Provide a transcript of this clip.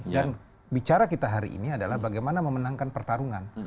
dan bicara kita hari ini adalah bagaimana memenangkan pertarungan